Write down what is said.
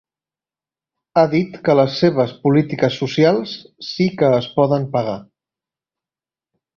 Ha dit que les seves polítiques socials ‘sí que es poden pagar’.